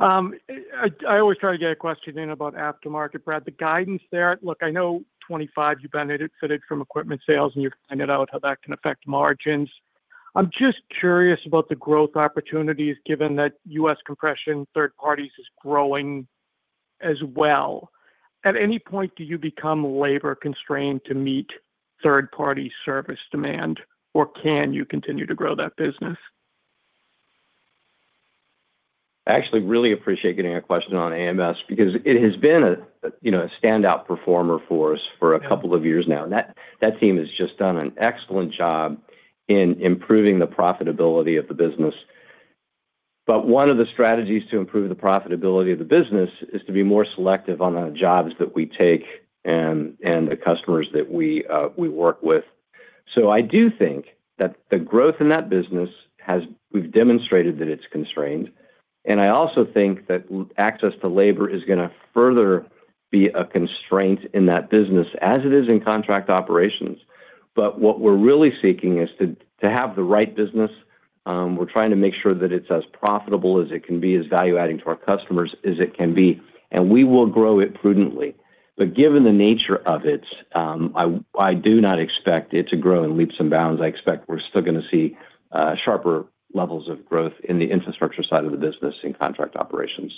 [SPEAKER 10] Thank you. I always try to get a question in about aftermarket, Brad. The guidance there. Look, I know 2025, you benefited from equipment sales, and you pointed out how that can affect margins. I'm just curious about the growth opportunities, given that U.S. Compression third parties is growing as well. At any point, do you become labor-constrained to meet third-party service demand, or can you continue to grow that business?
[SPEAKER 3] I actually really appreciate getting a question on AMS because it has been a, you know, a standout performer for us for a couple of years now. That team has just done an excellent job in improving the profitability of the business. One of the strategies to improve the profitability of the business is to be more selective on the jobs that we take and the customers that we work with. I do think that the growth in that business has we've demonstrated that it's constrained, and I also think that access to labor is gonna further be a constraint in that business as it is in contract operations. What we're really seeking is to have the right business. We're trying to make sure that it's as profitable as it can be, as value-adding to our customers as it can be, and we will grow it prudently. Given the nature of it, I do not expect it to grow in leaps and bounds. I expect we're still gonna see, sharper levels of growth in the infrastructure side of the business in contract operations.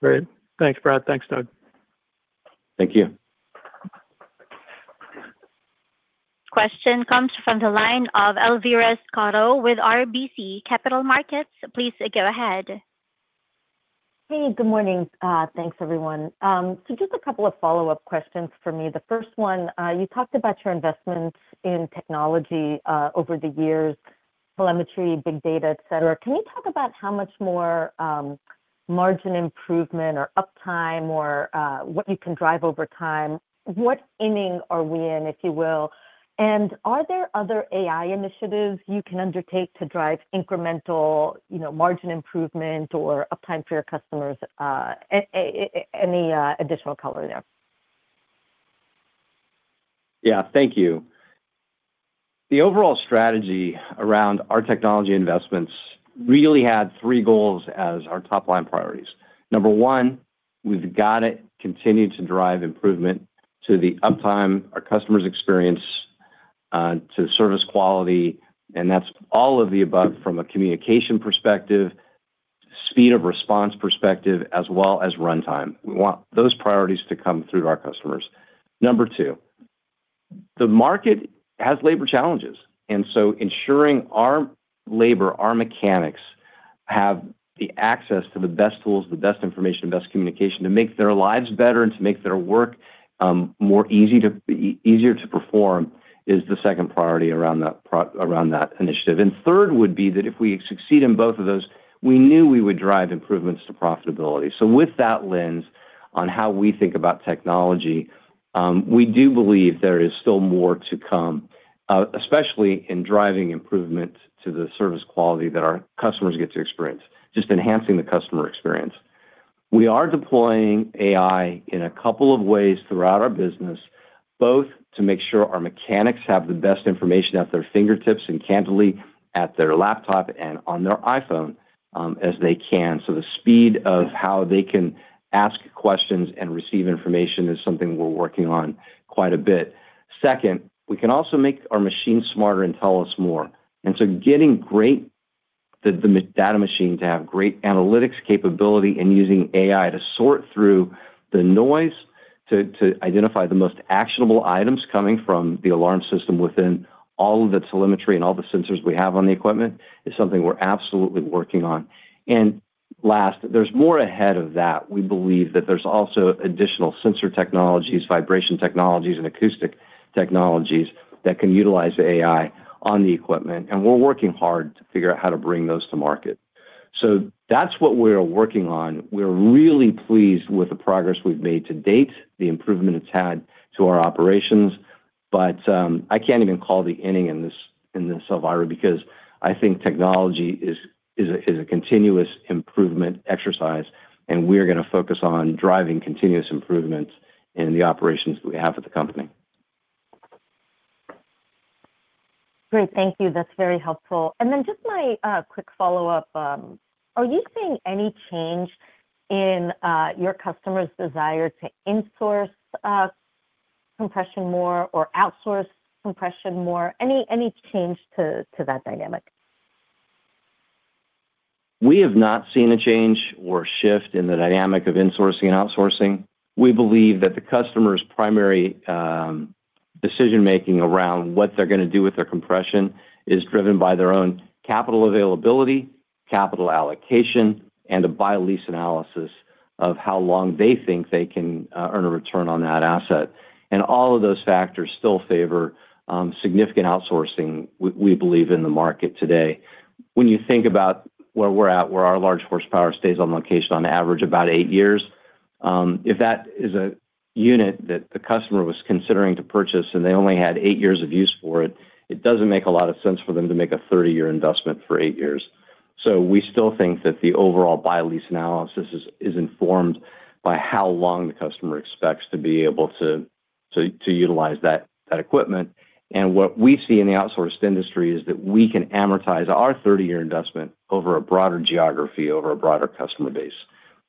[SPEAKER 10] Great. Thanks, Brad. Thanks, Doug.
[SPEAKER 3] Thank you.
[SPEAKER 1] Question comes from the line of Elvira Scotto with RBC Capital Markets. Please, go ahead.
[SPEAKER 11] Hey, good morning. Thanks, everyone. Just a couple of follow-up questions for me. The first one, you talked about your investment in technology over the years: telemetry, big data, et cetera. Can you talk about how much more margin improvement or uptime or what you can drive over time? What inning are we in, if you will? Are there other AI initiatives you can undertake to drive incremental, you know, margin improvement or uptime for your customers? Any additional color there?
[SPEAKER 3] Thank you. The overall strategy around our technology investments really had three goals as our top-line priorities. Number one, we've got to continue to drive improvement to the uptime, our customer's experience, to service quality, that's all of the above from a communication perspective, speed of response perspective, as well as runtime. We want those priorities to come through to our customers. Number two, the market has labor challenges, ensuring our labor, our mechanics, have the access to the best tools, the best information, the best communication to make their lives better and to make their work, easier to perform is the second priority around that initiative. Third would be that if we succeed in both of those, we knew we would drive improvements to profitability. With that lens on how we think about technology, we do believe there is still more to come, especially in driving improvement to the service quality that our customers get to experience, just enhancing the customer experience. We are deploying AI in a couple of ways throughout our business, both to make sure our mechanics have the best information at their fingertips and candidly at their laptop and on their iPhone, as they can. The speed of how they can ask questions and receive information is something we're working on quite a bit. Second, we can also make our machines smarter and tell us more, getting great. The data machine to have great analytics capability and using AI to sort through the noise, to identify the most actionable items coming from the alarm system within all of the telemetry and all the sensors we have on the equipment, is something we're absolutely working on. Last, there's more ahead of that. We believe that there's also additional sensor technologies, vibration technologies, and acoustic technologies that can utilize the AI on the equipment, and we're working hard to figure out how to bring those to market. That's what we're working on. We're really pleased with the progress we've made to date, the improvement it's had to our operations, but I can't even call the inning in this, in this environment because I think technology is a, is a continuous improvement exercise, and we're gonna focus on driving continuous improvement in the operations we have at the company.
[SPEAKER 11] Great. Thank you. That's very helpful. Just my quick follow-up: Are you seeing any change in your customers' desire to in-source compression more or outsource compression more? Any change to that dynamic?
[SPEAKER 3] We have not seen a change or shift in the dynamic of insourcing and outsourcing. We believe that the customer's primary decision-making around what they're gonna do with their compression is driven by their own capital availability, capital allocation, and a buy-lease analysis of how long they think they can earn a return on that asset. All of those factors still favor significant outsourcing, we believe, in the market today. When you think about where we're at, where our large horsepower stays on location on average about eight years, if that is a unit that the customer was considering to purchase and they only had eight years of use for it doesn't make a lot of sense for them to make a 30-year investment for eight years. We still think that the overall buy-lease analysis is informed by how long the customer expects to be able to utilize that equipment. What we see in the outsourced industry is that we can amortize our 30-year investment over a broader geography, over a broader customer base.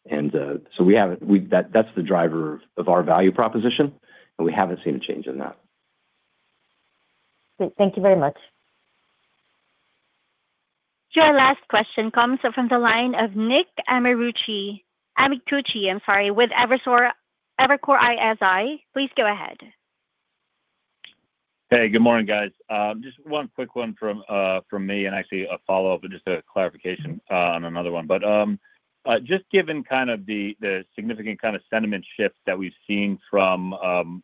[SPEAKER 3] That's the driver of our value proposition, and we haven't seen a change in that.
[SPEAKER 11] Great. Thank you very much.
[SPEAKER 1] Your last question comes from the line of Nick Amicucci, I'm sorry, with Evercore ISI. Please go ahead.
[SPEAKER 12] Hey, good morning, guys. Just one quick one from me, and actually a follow-up and just a clarification on another one. Just given kind of the significant kind of sentiment shift that we've seen from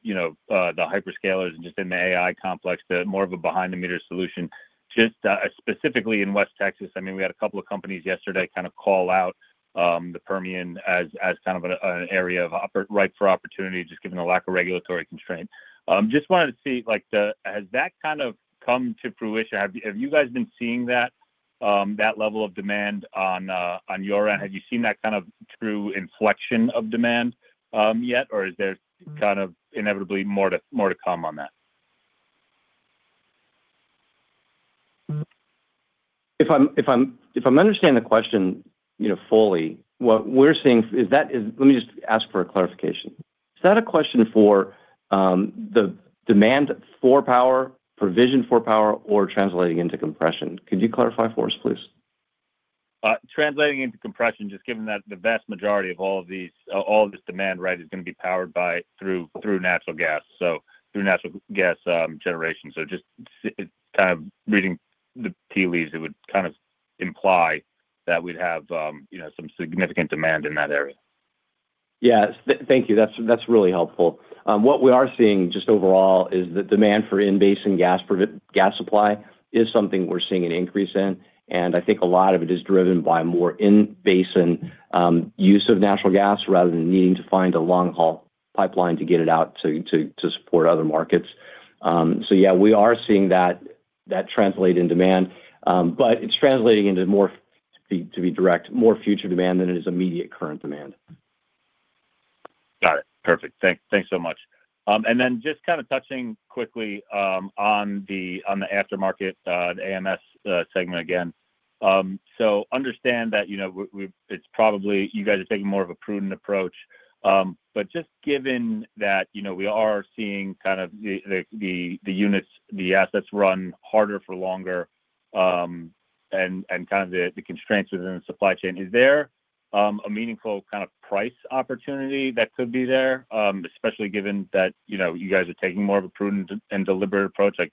[SPEAKER 12] the hyperscalers just in the AI complex to more of a behind-the-meter solution, specifically in West Texas, we had two companies yesterday kind of call out the Permian as kind of an area ripe for opportunity, just given the lack of regulatory constraint. Wanted to see, has that kind of come to fruition? Have you guys been seeing that level of demand on your end? Have you seen that kind of true inflection of demand, yet, or is there kind of inevitably more to come on that?
[SPEAKER 3] If I'm understanding the question, you know, fully. Let me just ask for a clarification. Is that a question for the demand for power, provision for power, or translating into compression? Could you clarify for us, please?
[SPEAKER 12] Translating into compression, just given that the vast majority of all of these, all this demand, right, is going to be powered by through natural gas, so through natural gas generation. Just kind of reading the tea leaves, it would kind of imply that we'd have, you know, some significant demand in that area.
[SPEAKER 3] Yes. Thank you. That's really helpful. What we are seeing just overall is the demand for in-basin gas supply is something we're seeing an increase in, and I think a lot of it is driven by more in-basin use of natural gas rather than needing to find a long-haul pipeline to get it out to support other markets. Yeah, we are seeing that translate in demand, but it's translating into more, to be direct, more future demand than it is immediate current demand.
[SPEAKER 12] Got it. Perfect. Thanks so much. Just kind of touching quickly on the aftermarket, the AMS segment again. Understand that, you know, it's probably you guys are taking more of a prudent approach, but just given that, you know, we are seeing kind of the units, the assets run harder for longer, and kind of the constraints within the supply chain, is there a meaningful kind of price opportunity that could be there? Especially given that, you know, you guys are taking more of a prudent and deliberate approach, like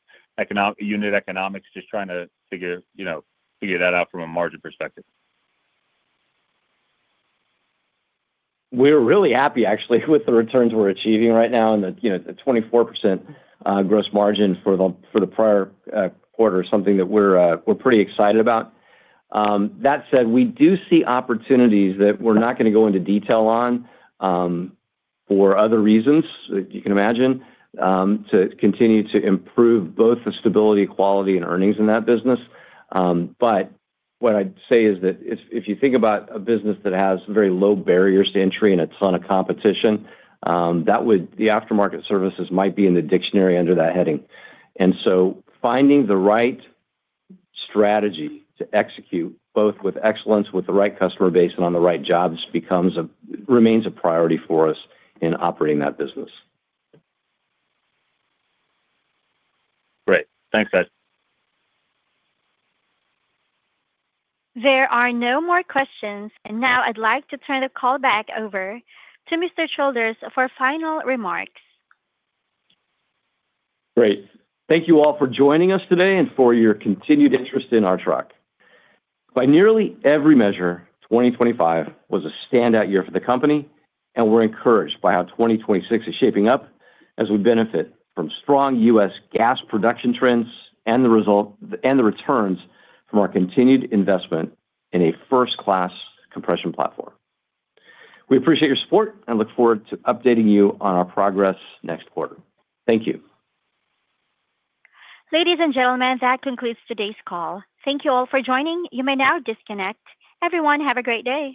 [SPEAKER 12] unit economics, just trying to figure, you know, figure that out from a margin perspective.
[SPEAKER 3] We're really happy, actually, with the returns we're achieving right now and the, you know, the 24% gross margin for the prior quarter is something that we're pretty excited about. That said, we do see opportunities that we're not going to go into detail on, for other reasons, you can imagine, to continue to improve both the stability, quality, and earnings in that business. What I'd say is that if you think about a business that has very low barriers to entry and a ton of competition, the aftermarket services might be in the dictionary under that heading. Finding the right strategy to execute, both with excellence, with the right customer base, and on the right jobs, remains a priority for us in operating that business.
[SPEAKER 12] Great. Thanks, guys.
[SPEAKER 1] There are no more questions. Now I'd like to turn the call back over to Brad Childers for final remarks.
[SPEAKER 3] Great. Thank you all for joining us today and for your continued interest in Archrock. By nearly every measure, 2025 was a standout year for the company, and we're encouraged by how 2026 is shaping up as we benefit from strong U.S. gas production trends and the returns from our continued investment in a first-class compression platform. We appreciate your support and look forward to updating you on our progress next quarter. Thank you.
[SPEAKER 1] Ladies and gentlemen, that concludes today's call. Thank you all for joining. You may now disconnect. Everyone, have a great day.